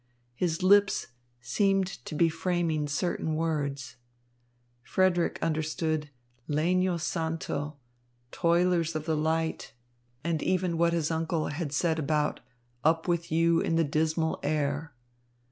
His lips seemed to be framing certain words. Frederick understood legno santo, Toilers of the Light, and even what his uncle had said about "up with you in the dismal air."